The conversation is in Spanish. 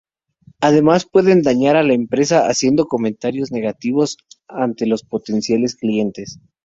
Además, pueden dañar a la empresa, haciendo comentarios negativos ante los clientes potenciales.